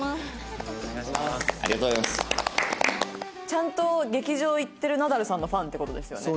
ちゃんと劇場行ってるナダルさんのファンって事ですよね？